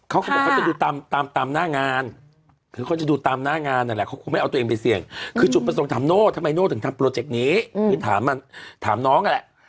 เขาก็บอกเขาจะดูตามตามหน้างานคือเขาจะดูตามหน้างานนั่นแหละเขาคงไม่เอาตัวเองไปเสี่ยงคือจุดประสงค์ถามโน่ทำไมโน่ถึงทำโปรเจกต์นี้คือถามน้องนั่นแหละ